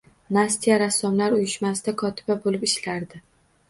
Nastya Rassomlar uyushmasida kotiba boʻlib ishlardi.